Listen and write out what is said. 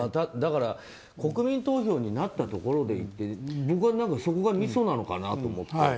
だから国民投票になったところでそこがみそなのかなと思って。